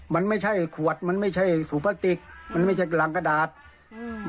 มันไม่ใช่ขวดมันไม่ใช่สูพลาสติกมันไม่ใช่รังกระดาษอืม